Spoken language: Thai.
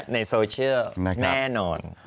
ในโซเชียลแน่นอน